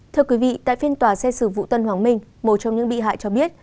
thưa quý vị tại phiên tòa xét xử vụ tân hoàng minh một trong những bị hại cho biết